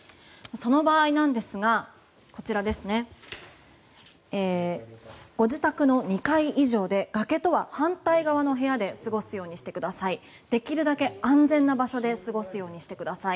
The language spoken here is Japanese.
その場合なんですがこちら、ご自宅の２階以上で崖とは反対側の部屋で過ごすようにしてください。